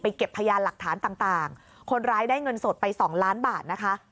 เก็บพยานหลักฐานต่างคนร้ายได้เงินสดไปสองล้านบาทนะคะ